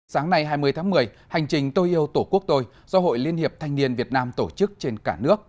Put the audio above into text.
sáng nay hai mươi tháng một mươi hành trình tôi yêu tổ quốc tôi do hội liên hiệp thanh niên việt nam tổ chức trên cả nước